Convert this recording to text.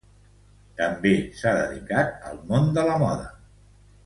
També s'ha dedicat al món de la moda.